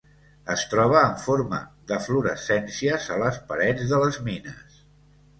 Es troba en forma d'eflorescències a les parets de les mines.